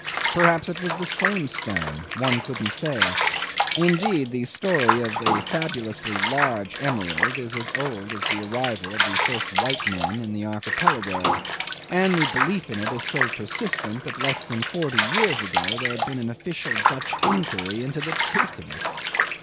Perhaps it was the same stone one couldn't say. Indeed the story of a fabulously large emerald is as old as the arrival of the first white men in the Archipelago; and the belief in it is so persistent that less than forty years ago there had been an official Dutch inquiry into the truth of it.